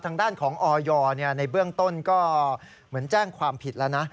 ทางด้านของออยในเบื้องต้นก็เหมือนแจ้งความผิดแล้วนะ